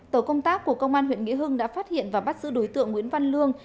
tổ công tác của công an huyện nghĩa hưng đã phát hiện và bắt giữ đối tượng nguyễn văn lương